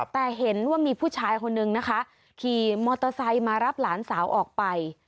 แต่เห็นว่ามีผู้ชายคนนึงนะคะขี่มอเตอร์ไซค์มารับหลานสาวออกไป